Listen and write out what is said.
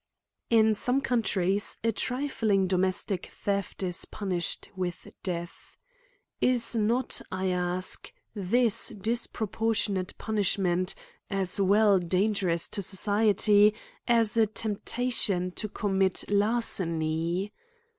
IN some countries a trifling domestic theft is punished with death. Is not, 1 ask, this dis portionate punishment, as well dangerous to socie ty, as a temptation to cammit larceny